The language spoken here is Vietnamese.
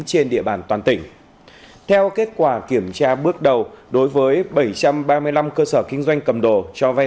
trên địa bàn toàn tỉnh theo kết quả kiểm tra bước đầu đối với bảy trăm ba mươi năm cơ sở kinh doanh cầm đồ cho vai